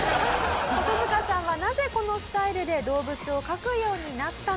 コトヅカさんはなぜこのスタイルで動物を描くようになったのか？